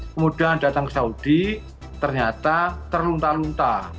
kemudian datang ke saudi ternyata terlunta lunta